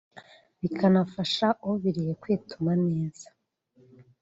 bikanafasha ubiriye kwituma neza